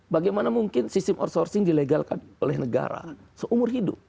bagaimana mungkin sistem outsourcing dilegalkan oleh negara seumur hidup